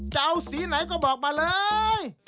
จะเอาสีไหนก็บอกมาเลย